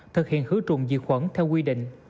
thực hiện hứa trùng diệt khuẩn theo quy định